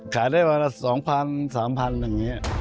ขายได้มาละ๒๐๐๐๓๐๐๐บาทอย่างนี้